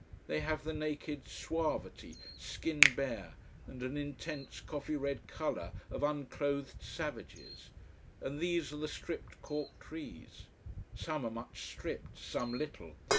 They have the naked suavity, skin bare, and an intense coffee red colour of unclothed savages. And these are the stripped cork trees. Some are much stripped, some little.